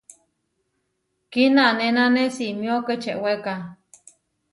Kinanénane simió kečeweka.